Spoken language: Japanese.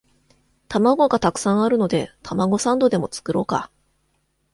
玉子がたくさんあるのでたまごサンドでも作ろうか